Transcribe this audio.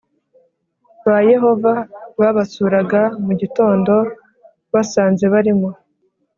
Ba yehova babasuraga mu gitondo basanze barimo